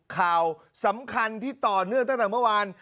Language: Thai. ข่าวสำคัญที่ต่อเนื่องตั้งแต่เมื่อวาน